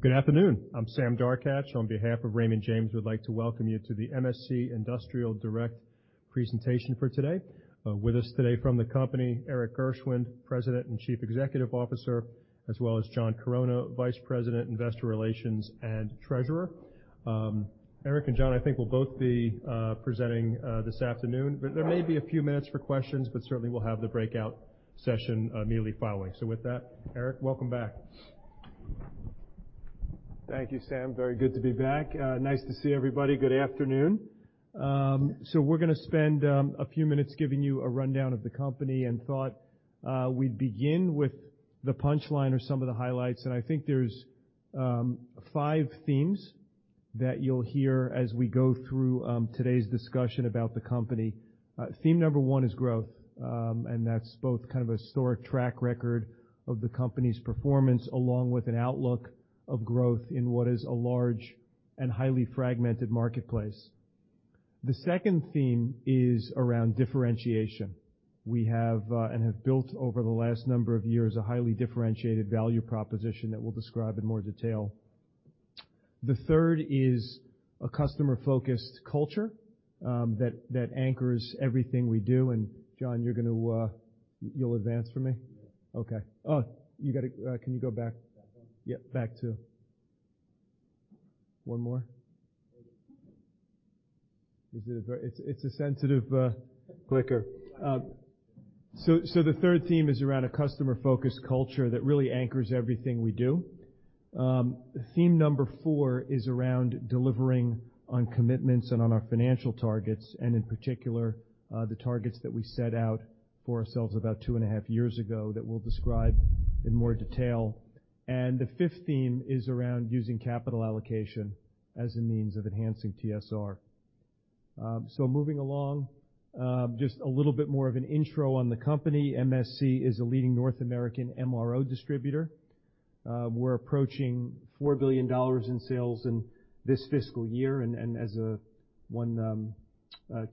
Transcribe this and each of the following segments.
Good afternoon. I'm Sam Darkatsh. On behalf of Raymond James, we'd like to welcome you to the MSC Industrial Direct presentation for today. With us today from the company, Erik Gershwind, President and Chief Executive Officer, as well as John Chironna, Vice President, Investor Relations and Treasurer. Erik and John, I think will both be presenting this afternoon. There may be a few minutes for questions, but certainly we'll have the breakout session immediately following. With that, Erik, welcome back. Thank you, Sam. Very good to be back. Nice to see everybody. Good afternoon. We're gonna spend a few minutes giving you a rundown of the company, and thought we'd begin with the punchline or some of the highlights. I think there's five themes that you'll hear as we go through today's discussion about the company. Theme number one is growth, and that's both kind of a historic track record of the company's performance, along with an outlook of growth in what is a large and highly fragmented marketplace. The second theme is around differentiation. We have and have built over the last number of years, a highly differentiated value proposition that we'll describe in more detail. The third is a customer-focused culture that anchors everything we do. John, you're gonna You'll advance for me? Yeah. Okay. Oh, can you go back? That one? Yeah, back two. One more. This is a sensitive clicker. The third theme is around a customer-focused culture that really anchors everything we do. Theme number four is around delivering on commitments and on our financial targets, in particular, the targets that we set out for ourselves about two and a half years ago that we'll describe in more detail. The fifth theme is around using capital allocation as a means of enhancing TSR. Moving along, just a little bit more of an intro on the company. MSC is a leading North American MRO distributor. We're approaching $4 billion in sales in this fiscal year. As a one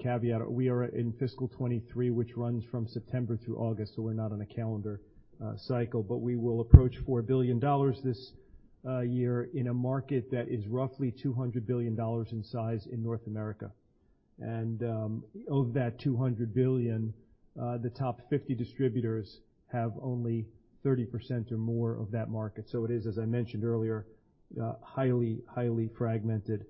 caveat, we are in fiscal 2023, which runs from September through August, we're not on a calendar cycle. We will approach $4 billion this year in a market that is roughly $200 billion in size in North America. Of that $200 billion, the top 50 distributors have only 30% or more of that market. It is, as I mentioned earlier, highly fragmented.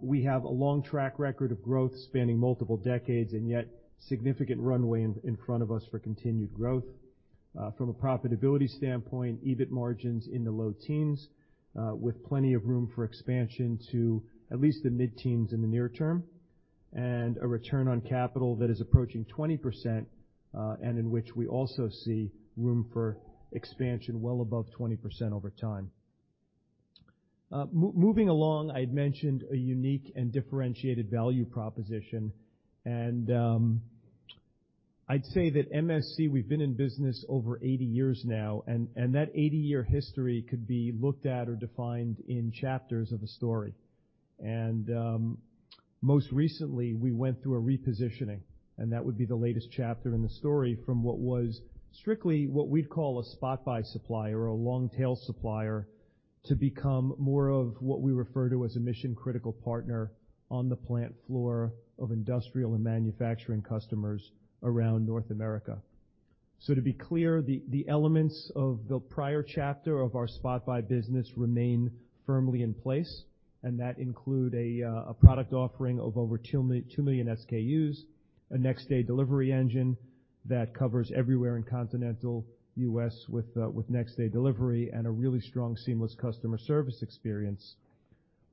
We have a long track record of growth spanning multiple decades, and yet significant runway in front of us for continued growth. From a profitability standpoint, EBIT margins in the low teens, with plenty of room for expansion to at least the mid-teens in the near term, and a return on capital that is approaching 20%, and in which we also see room for expansion well above 20% over time. Moving along, I'd mentioned a unique and differentiated value proposition. I'd say that MSC, we've been in business over 80 years now, and that 80-year history could be looked at or defined in chapters of a story. Most recently, we went through a repositioning, and that would be the latest chapter in the story from what was strictly what we'd call a spot buy supplier or a long-tail supplier, to become more of what we refer to as a mission-critical partner on the plant floor of industrial and manufacturing customers around North America. To be clear, the elements of the prior chapter of our spot buy business remain firmly in place, and that include a product offering of over 2 million SKUs, a next-day delivery engine that covers everywhere in continental US with next-day delivery, and a really strong, seamless customer service experience.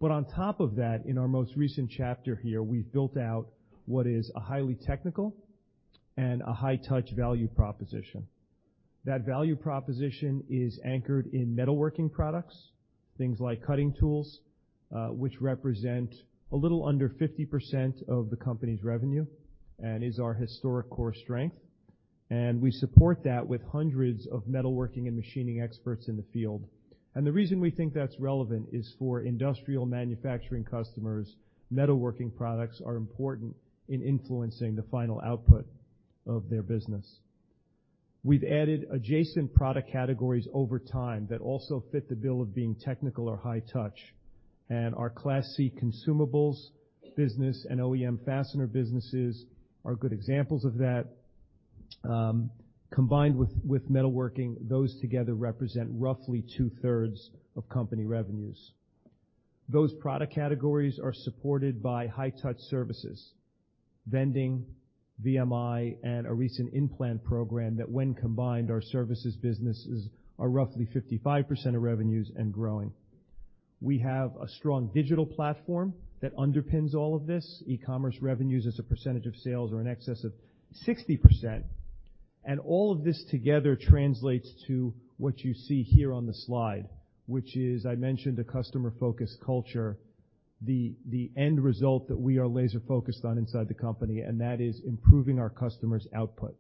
On top of that, in our most recent chapter here, we've built out what is a highly technical and a high-touch value proposition. That value proposition is anchored in metalworking products, things like cutting tools, which represent a little under 50% of the company's revenue and is our historic core strength. We support that with hundreds of metalworking and machining experts in the field. The reason we think that's relevant is for industrial manufacturing customers, metalworking products are important in influencing the final output of their business. We've added adjacent product categories over time that also fit the bill of being technical or high touch, and our Class C consumables business and OEM fastener businesses are good examples of that. Combined with metalworking, those together represent roughly two-thirds of company revenues. Those product categories are supported by high touch services, vending, VMI, and a recent in-plant program that when combined, our services businesses are roughly 55% of revenues and growing. We have a strong digital platform that underpins all of this. E-commerce revenues as a percentage of sales are in excess of 60%. All of this together translates to what you see here on the slide, which is, I mentioned a customer-focused culture. The end result that we are laser-focused on inside the company, and that is improving our customers' output.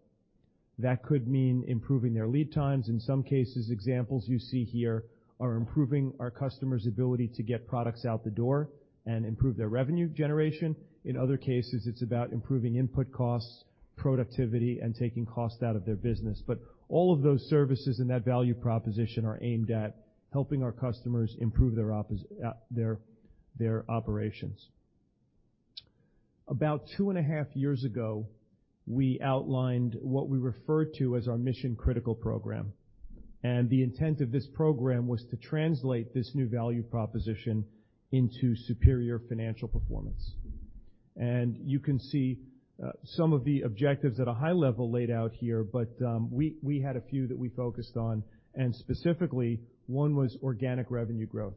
That could mean improving their lead times. In some cases, examples you see here are improving our customers' ability to get products out the door and improve their revenue generation. In other cases, it's about improving input costs, productivity, and taking costs out of their business. All of those services and that value proposition are aimed at helping our customers improve their operations. About two and a half years ago, we outlined what we referred to as our Mission Critical program. The intent of this program was to translate this new value proposition into superior financial performance. You can see some of the objectives at a high level laid out here, but we had a few that we focused on, and specifically, one was organic revenue growth.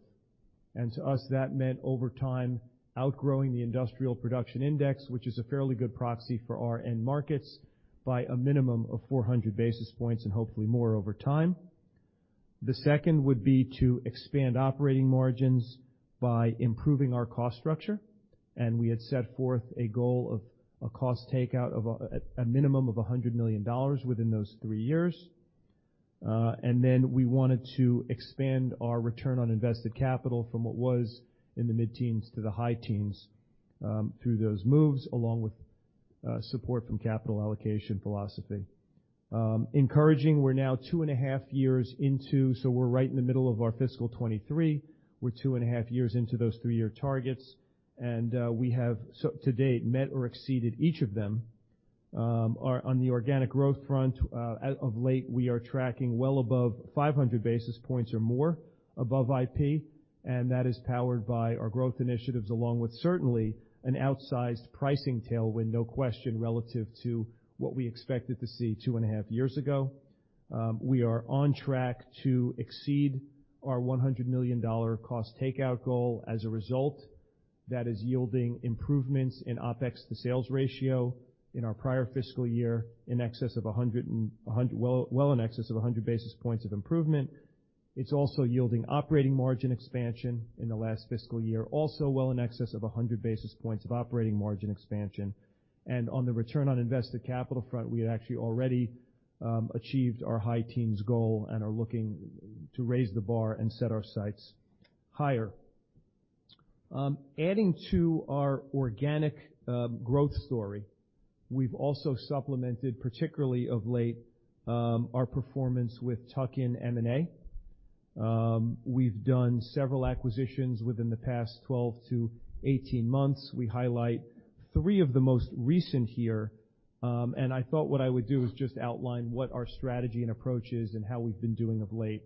To us, that meant over time, outgrowing the industrial production index, which is a fairly good proxy for our end markets, by a minimum of 400 basis points and hopefully more over time. The second would be to expand operating margins by improving our cost structure. We had set forth a goal of a cost takeout of a minimum of $100 million within those three years. Then we wanted to expand our return on invested capital from what was in the mid-teens to the high teens through those moves, along with support from capital allocation philosophy. Encouraging, we're now 2 1/2 years into, so we're right in the middle of our fiscal 2023. We're 2 1/2 years into those three-year targets, we have so-to date met or exceeded each of them. On the organic growth front, as of late, we are tracking well above 500 basis points or more above IP. That is powered by our growth initiatives, along with certainly an outsized pricing tailwind, no question, relative to what we expected to see two and a half years ago. We are on track to exceed our $100 million cost takeout goal as a result. That is yielding improvements in OpEx-to-sales ratio in our prior fiscal year, well in excess of 100 basis points of improvement. It's also yielding operating margin expansion in the last fiscal year, also well in excess of 100 basis points of operating margin expansion. On the return on invested capital front, we had actually already achieved our high teens goal and are looking to raise the bar and set our sights higher. Adding to our organic growth story, we've also supplemented, particularly of late, our performance with tuck-in M&A. We've done several acquisitions within the past 12-18 months. We highlight three of the most recent here, and I thought what I would do is just outline what our strategy and approach is and how we've been doing of late.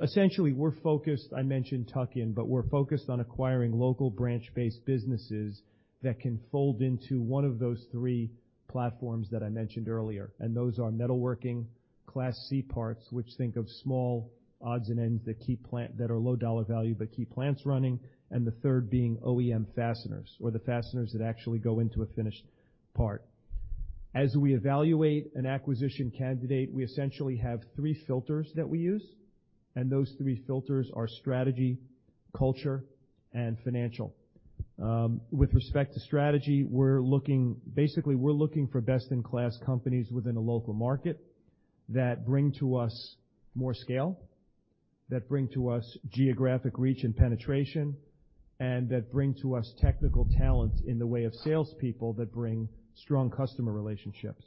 Essentially, we're focused, I mentioned tuck-in, but we're focused on acquiring local branch-based businesses that can fold into one of those three platforms that I mentioned earlier. Those are metalworking, Class C parts, which think of small odds and ends that are low dollar value, but keep plants running, and the third being OEM fasteners or the fasteners that actually go into a finished part. As we evaluate an acquisition candidate, we essentially have three filters that we use, and those three filters are strategy, culture, and financial. With respect to strategy, we're looking for best-in-class companies within a local market that bring to us more scale, that bring to us geographic reach and penetration, and that bring to us technical talent in the way of salespeople that bring strong customer relationships.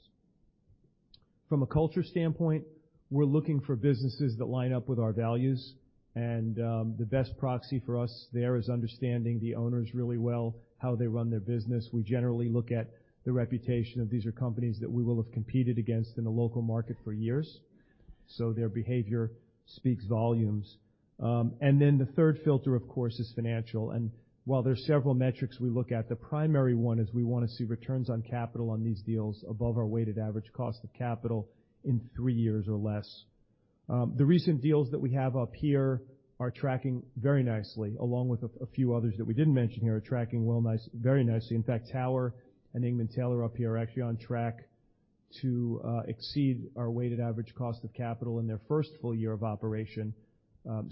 From a culture standpoint, we're looking for businesses that line up with our values, and the best proxy for us there is understanding the owners really well, how they run their business. We generally look at the reputation of these are companies that we will have competed against in the local market for years. Their behavior speaks volumes. The third filter, of course, is financial. While there's several metrics we look at, the primary one is we wanna see returns on capital on these deals above our weighted average cost of capital in three years or less. The recent deals that we have up here are tracking very nicely, along with a few others that we didn't mention here, are tracking very nicely. In fact, Tower and Engman-Taylor up here are actually on track to exceed our weighted average cost of capital in their first full year of operation.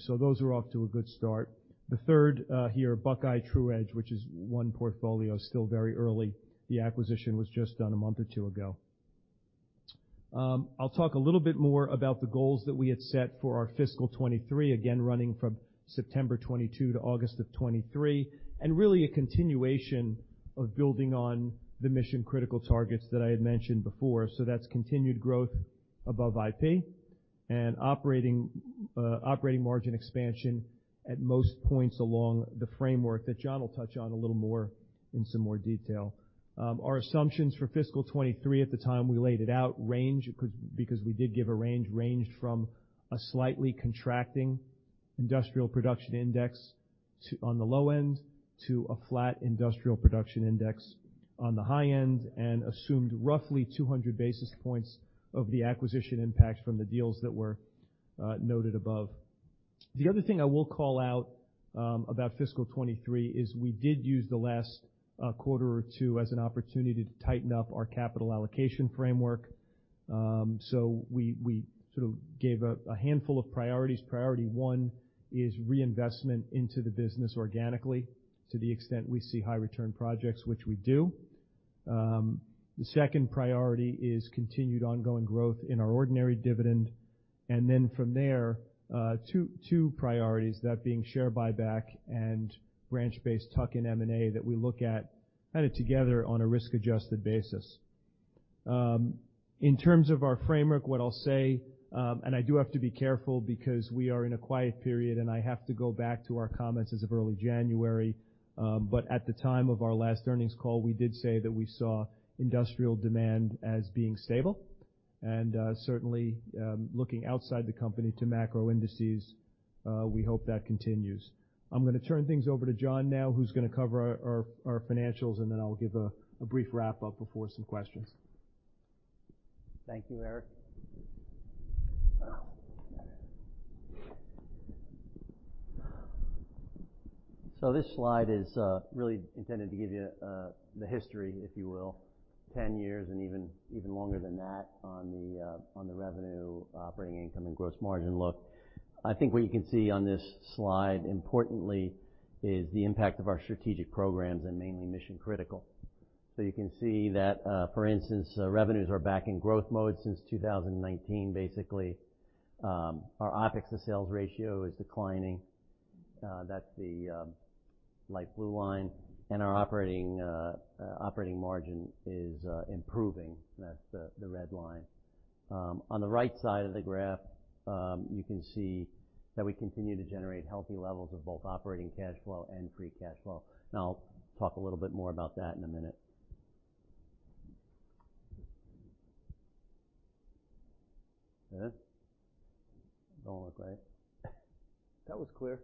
Those are off to a good start. The third here, Buckeye Tru-Edge, which is one portfolio. Still very early. The acquisition was just done a month or two ago. I'll talk a little bit more about the goals that we had set for our fiscal 2023, again, running from September 2022 to August of 2023, and really a continuation of building on the Mission Critical targets that I had mentioned before. That's continued growth above IP and operating margin expansion at most points along the framework that John Chironna will touch on a little more in some more detail. Our assumptions for fiscal 2023 at the time we laid it out range, because we did give a range, ranged from a slightly contracting industrial production index on the low end, to a flat industrial production index on the high end and assumed roughly 200 basis points of the acquisition impact from the deals that were noted above. The other thing I will call out about fiscal 2023 is we did use the last quarter or two as an opportunity to tighten up our capital allocation framework. We sort of gave a handful of priorities. Priority 1 is reinvestment into the business organically to the extent we see high return projects, which we do. The second priority is continued ongoing growth in our ordinary dividend. From there, two priorities, that being share buyback and branch-based tuck-in M&A that we look at kind of together on a risk-adjusted basis. In terms of our framework, what I'll say, I do have to be careful because we are in a quiet period, and I have to go back to our comments as of early January. At the time of our last earnings call, we did say that we saw industrial demand as being stable. Certainly, looking outside the company to macro indices, we hope that continues. I'm gonna turn things over to John now, who's gonna cover our financials, and then I'll give a brief wrap-up before some questions. Thank you, Erik. This slide is really intended to give you the history, if you will, 10 years and even longer than that on the revenue, operating income, and gross margin look. I think what you can see on this slide importantly is the impact of our strategic programs and mainly Mission Critical. You can see that, for instance, revenues are back in growth mode since 2019, basically. Our OpEx to sales ratio is declining. That's the light blue line. Our operating margin is improving. That's the red line. On the right side of the graph, you can see that we continue to generate healthy levels of both operating cash flow and free cash flow. I'll talk a little bit more about that in a minute. Don't look right. That was clear.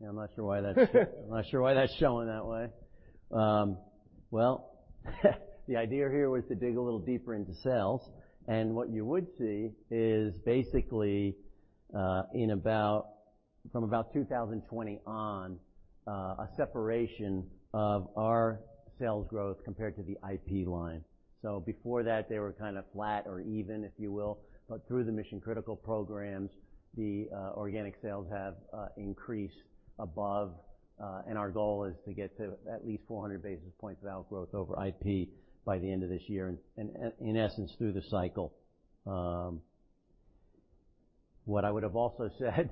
Yeah, I'm not sure why that's showing that way. Well, the idea here was to dig a little deeper into sales. What you would see is basically, from about 2020 on, a separation of our sales growth compared to the IP line. Before that, they were kinda flat or even, if you will. Through the mission-critical programs, the organic sales have increased above, and our goal is to get to at least 400 basis points of outgrowth over IP by the end of this year, and in essence, through the cycle. What I would have also said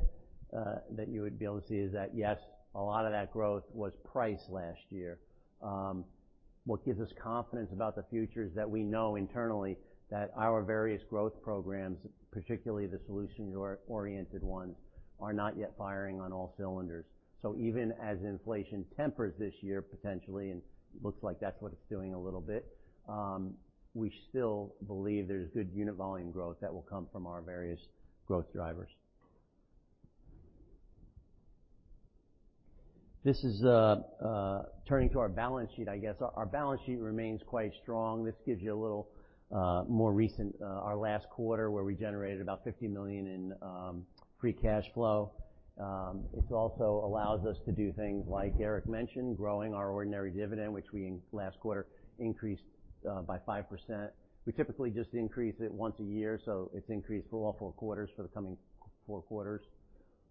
that you would be able to see is that, yes, a lot of that growth was price last year. What gives us confidence about the future is that we know internally that our various growth programs, particularly the solution-or-oriented ones, are not yet firing on all cylinders. Even as inflation tempers this year, potentially, and looks like that's what it's doing a little bit, we still believe there's good unit volume growth that will come from our various growth drivers. This is turning to our balance sheet, I guess. Our balance sheet remains quite strong. This gives you a little more recent, our last quarter, where we generated about $50 million in free cash flow. This also allows us to do things like Erik mentioned, growing our ordinary dividend, which we in last quarter increased by 5%. We typically just increase it once a year, so it's increased for all four quarters for the coming four quarters.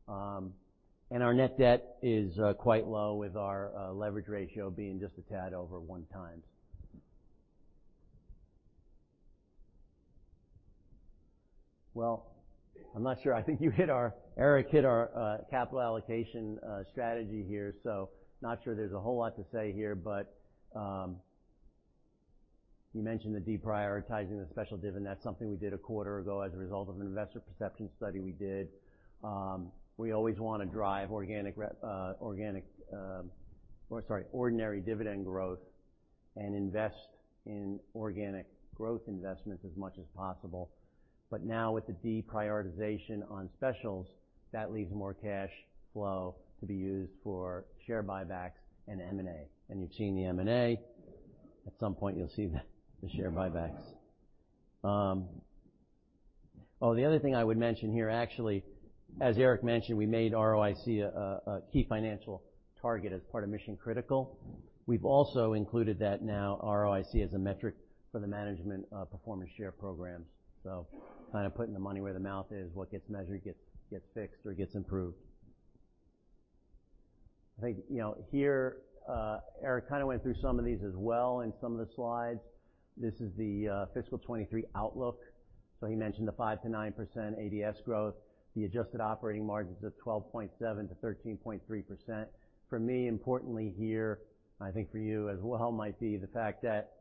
Our net debt is quite low with our leverage ratio being just a tad over one time. Well, I'm not sure. I think Erik hit our capital allocation strategy here, not sure there's a whole lot to say here. You mentioned the deprioritizing the special div, that's something we did a quarter ago as a result of an investor perception study we did. We always wanna drive ordinary dividend growth and invest in organic growth investments as much as possible. Now with the deprioritization on specials, that leaves more cash flow to be used for share buybacks and M&A. You've seen the M&A. At some point, you'll see the share buybacks. Oh, the other thing I would mention here, actually, as Erik Gershwind mentioned, we made ROIC a key financial target as part of Mission Critical. We've also included that now ROIC is a metric for the management performance share programs. Kinda putting the money where the mouth is, what gets measured gets fixed or gets improved. I think, you know, here, Erik Gershwind kinda went through some of these as well in some of the slides. This is the fiscal 2023 outlook. He mentioned the 5%-9% ADS growth. The adjusted operating margins of 12.7%-13.3%. For me, importantly here, I think for you as well, might be the fact that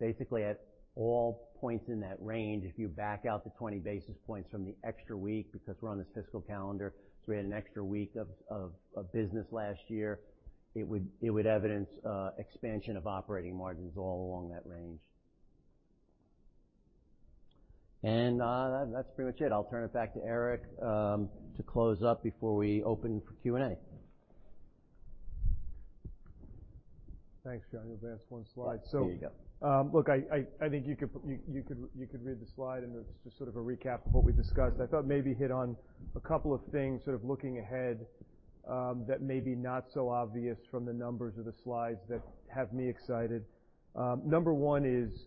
basically at all points in that range, if you back out the 20 basis points from the extra week because we're on this fiscal calendar, so we had an extra week of business last year, it would evidence expansion of operating margins all along that range. That's pretty much it. I'll turn it back to Erik Gershwind to close up before we open for Q&A. Thanks, John. You'll advance one slide. Yeah. There you go. Look, I think you could read the slide, and it's just sort of a recap of what we discussed. I thought maybe hit on a couple of things sort of looking ahead that may be not so obvious from the numbers or the slides that have me excited. Number 1 is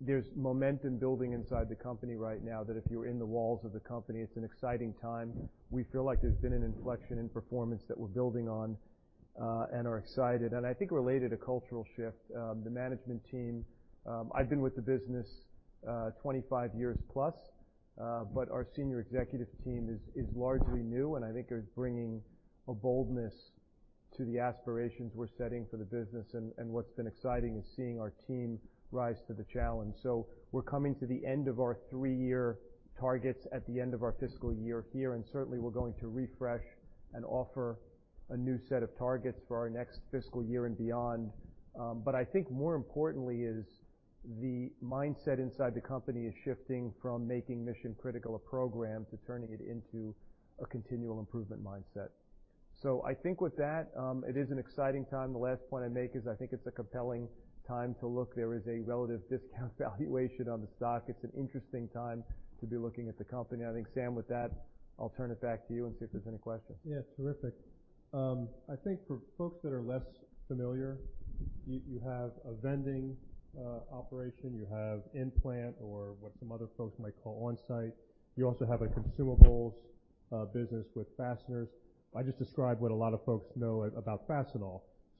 there's momentum building inside the company right now that if you're in the walls of the company, it's an exciting time. We feel like there's been an inflection in performance that we're building on and are excited. I think related to cultural shift, the management team, I've been with the business 25 years plus, but our senior executive team is largely new, and I think they're bringing a boldness to the aspirations we're setting for the business, and what's been exciting is seeing our team rise to the challenge. We're coming to the end of our three-year targets at the end of our fiscal year here, and certainly, we're going to refresh and offer a new set of targets for our next fiscal year and beyond. I think more importantly is the mindset inside the company is shifting from making Mission Critical a program to turning it into a continual improvement mindset. I think with that, it is an exciting time. The last point I make is I think it's a compelling time to look. There is a relative discount valuation on the stock. It's an interesting time to be looking at the company. I think, Sam, with that, I'll turn it back to you and see if there's any questions. Yeah, terrific. I think for folks that are less familiar, you have a vending operation, you have in-plant or what some other folks might call on-site. You also have a consumables business with fasteners. I just described what a lot of folks know about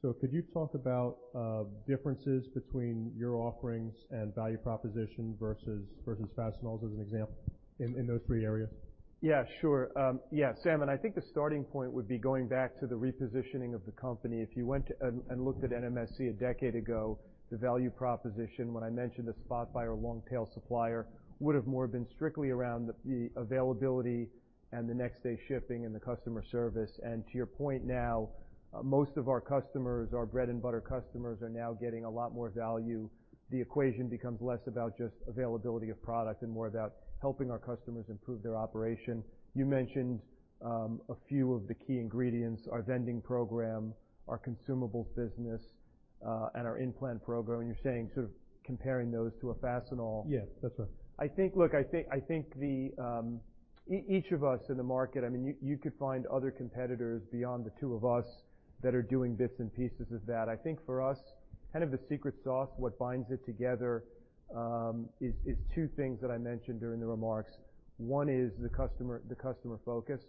Fastenal. Could you talk about differences between your offerings and value proposition versus Fastenal's as an example in those three areas? Yeah, sure. Yeah, Sam Darkatsh, I think the starting point would be going back to the repositioning of the company. If you went and looked at MSC a decade ago, the value proposition, when I mentioned a spot buyer, long-tail supplier, would've more been strictly around the availability and the next-day shipping and the customer service. To your point now, most of our customers, our bread-and-butter customers, are now getting a lot more value. The equation becomes less about just availability of product and more about helping our customers improve their operation. You mentioned a few of the key ingredients: our vending program, our consumables business, our in-plant program. You're saying sort of comparing those to a Fastenal. Yeah, that's right. Look, I think the each of us in the market, I mean, you could find other competitors beyond the two of us that are doing bits and pieces of that. I think for us, kind of the secret sauce, what binds it together, is two things that I mentioned during the remarks. One is the customer focus.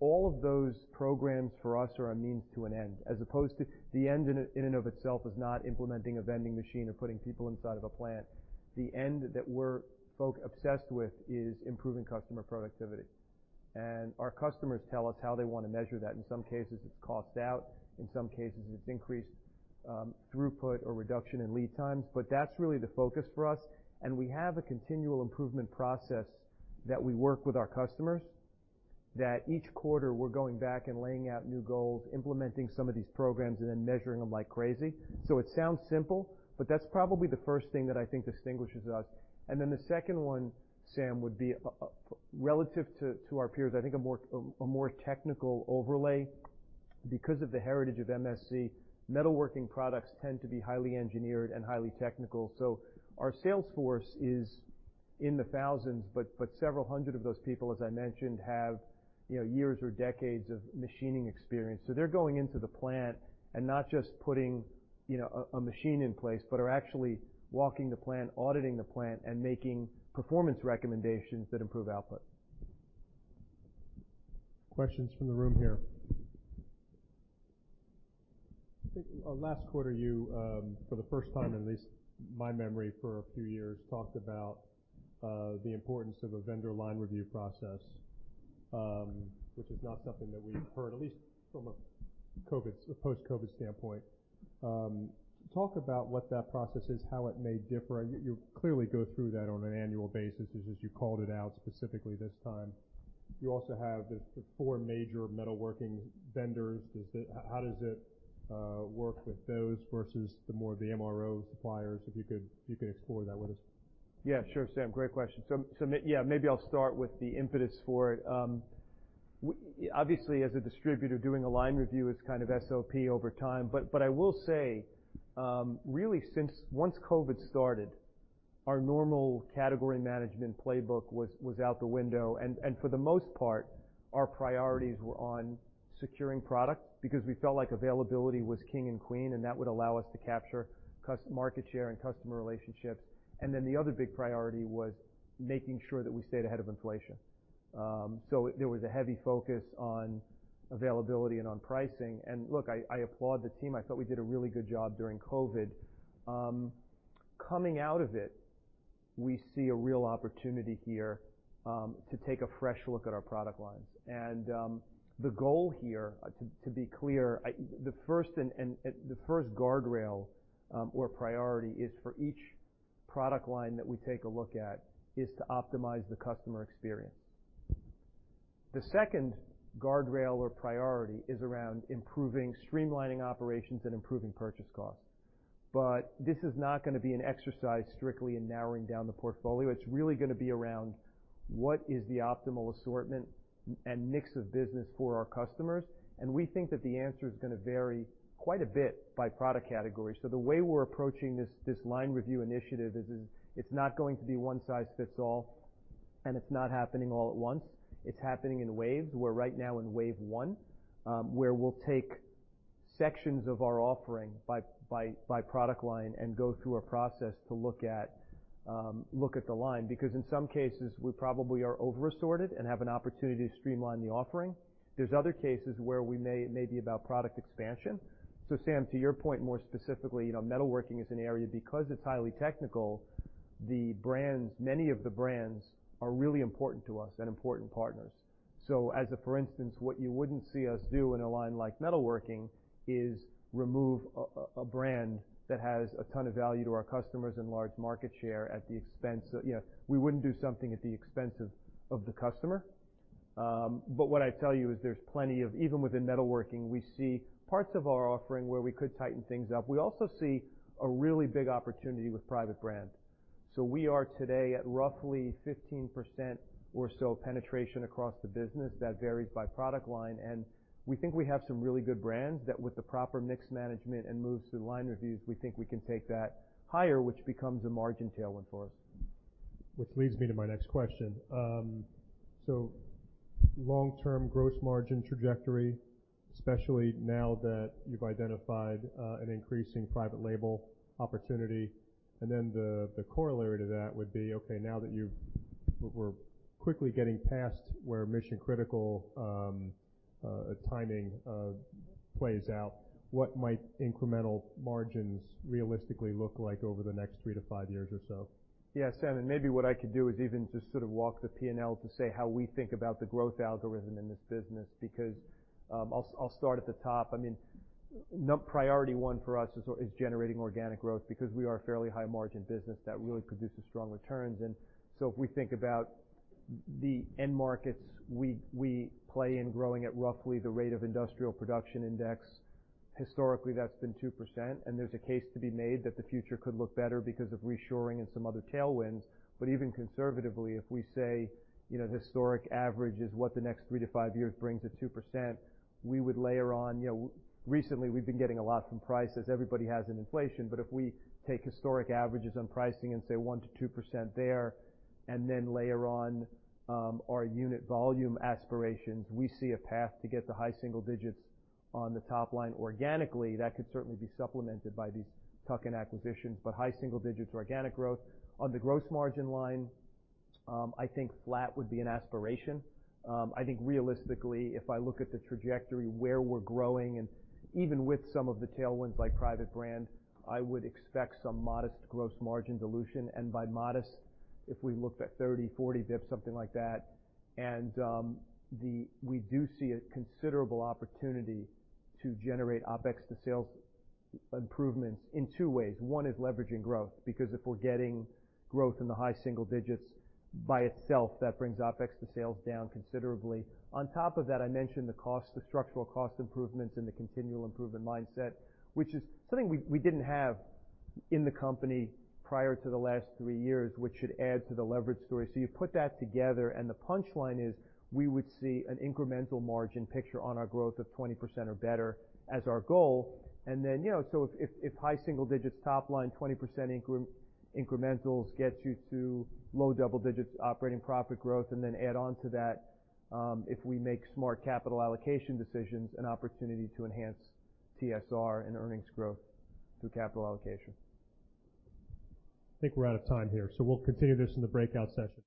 All of those programs for us are a means to an end, as opposed to the end in and of itself is not implementing a vending machine or putting people inside of a plant. The end that we're obsessed with is improving customer productivity. Our customers tell us how they wanna measure that. In some cases, it's cost out. In some cases, it's increased throughput or reduction in lead times. That's really the focus for us, and we have a continual improvement process that we work with our customers that each quarter we're going back and laying out new goals, implementing some of these programs, and then measuring them like crazy. It sounds simple, but that's probably the first thing that I think distinguishes us. Then the second one, Sam, would be relative to our peers, I think a more technical overlay. Because of the heritage of MSC, metalworking products tend to be highly engineered and highly technical. Our sales force is in the thousands, but several hundred of those people, as I mentioned, have, you know, years or decades of machining experience. they're going into the plant and not just putting, you know, a machine in place, but are actually walking the plant, auditing the plant, and making performance recommendations that improve output. Questions from the room here. I think last quarter, you for the first time, at least my memory for a few years, talked about the importance of a vendor line review process, which is not something that we've heard, at least from a post-COVID standpoint. Talk about what that process is, how it may differ. You clearly go through that on an annual basis. It's just you called it out specifically this time. You also have the four major metalworking vendors. How does it work with those versus the more the MRO suppliers? If you could explore that with us. Yeah, sure, Sam. Great question. Maybe I'll start with the impetus for it. Obviously, as a distributor, doing a line review is kind of SOP over time. I will say, really, once COVID started, our normal category management playbook out the window. For the most part, our priorities were on securing product because we felt like availability was king and queen, and that would allow us to capture market share and customer relationships. The other big priority was making sure that we stayed ahead of inflation. There was a heavy focus on availability and on pricing. Look, I applaud the team. I thought we did a really good job during COVID. Coming out of it, we see a real opportunity here to take a fresh look at our product lines. The goal here to be clear, the first and the first guardrail or priority is for each product line that we take a look at is to optimize the customer experience. The second guardrail or priority is around improving streamlining operations and improving purchase costs. This is not gonna be an exercise strictly in narrowing down the portfolio. It's really gonna be around what is the optimal assortment and mix of business for our customers, and we think that the answer is gonna vary quite a bit by product category. The way we're approaching this line review initiative is it's not going to be one size fits all, and it's not happening all at once. It's happening in waves. We're right now in wave one, where we'll take sections of our offering by product line and go through a process to look at, look at the line. In some cases, we probably are over-assorted and have an opportunity to streamline the offering. There's other cases where it may be about product expansion. Sam Darkatsh, to your point, more specifically, you know, metalworking is an area because it's highly technical. Many of the brands are really important to us and important partners. As a for instance, what you wouldn't see us do in a line like metalworking is remove a brand that has a ton of value to our customers and large market share at the expense. You know, we wouldn't do something at the expense of the customer. What I'd tell you is there's plenty of, even within metalworking, we see parts of our offering where we could tighten things up. We also see a really big opportunity with private brand. We are today at roughly 15% or so penetration across the business that varies by product line. We think we have some really good brands that with the proper mix management and moves through line reviews, we think we can take that higher, which becomes a margin tailwind for us. Which leads me to my next question. Long-term gross margin trajectory, especially now that you've identified an increasing private label opportunity, the corollary to that would be, okay, now that we're quickly getting past where mission-critical timing plays out, what might incremental margins realistically look like over the next three to five years or so? Yeah. Sam, maybe what I could do is even just sort of walk the P&L to say how we think about the growth algorithm in this business, because I'll start at the top. I mean, priority one for us is generating organic growth because we are a fairly high margin business that really produces strong returns. If we think about the end markets, we play in growing at roughly the rate of industrial production index. Historically, that's been 2%, and there's a case to be made that the future could look better because of reshoring and some other tailwinds. Even conservatively, if we say, you know, the historic average is what the next three to five years brings at 2%, we would layer on, you know, recently we've been getting a lot from prices. Everybody has an inflation. If we take historic averages on pricing and say 1%-2% there, and then layer on our unit volume aspirations, we see a path to get to high single digits on the top line organically. That could certainly be supplemented by these tuck-in acquisitions, high single digits organic growth. On the gross margin line, I think flat would be an aspiration. I think realistically, if I look at the trajectory where we're growing and even with some of the tailwinds like private brand, I would expect some modest gross margin dilution. By modest, if we looked at 30, 40 basis points, something like that. We do see a considerable opportunity to generate OpEx to sales improvements in two ways. One is leveraging growth, because if we're getting growth in the high single digits by itself, that brings OpEx to sales down considerably. On top of that, I mentioned the cost, the structural cost improvements and the continual improvement mindset, which is something we didn't have in the company prior to the last three years, which should add to the leverage story. You put that together and the punchline is, we would see an incremental margin picture on our growth of 20% or better as our goal. You know, if high single digits top line, 20% incrementals gets you to low double digits operating profit growth, add on to that, if we make smart capital allocation decisions and opportunity to enhance TSR and earnings growth through capital allocation. I think we're out of time here, so we'll continue this in the breakout session.